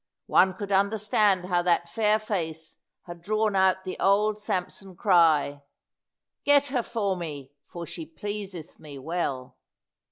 One could understand how that fair face had drawn out the old Samson cry, "Get her for me, for she pleaseth me well."